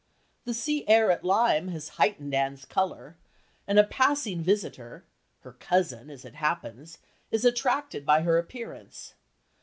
The sea air at Lyme has heightened Anne's colour, and a passing visitor her cousin, as it happens is attracted by her appearance.